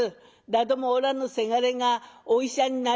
だどもおらのせがれがお医者になり